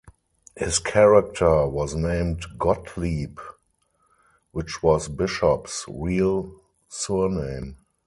His character was named Gottlieb, which was Bishop's real surname.